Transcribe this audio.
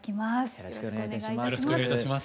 よろしくお願いします。